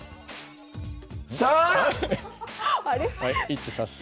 ３！１手指す。